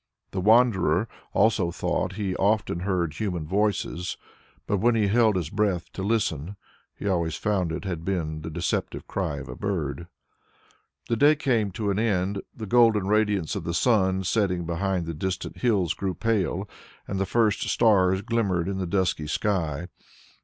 The wanderer also thought he often heard human voices, but when he held his breath to listen, he always found it had been the deceptive cry of a bird. The day came to an end, the golden radiance of the sun setting behind the distant hills grew pale, and the first stars glimmered in the dusky sky.